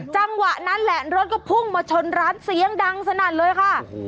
จังหวะนั้นแหละรถก็พุ่งมาชนร้านเสียงดังสนั่นเลยค่ะ